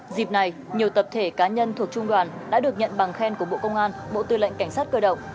dịp này nhiều tập thể cá nhân thuộc trung đoàn đã được nhận bằng khen của bộ công an bộ tư lệnh cảnh sát cơ động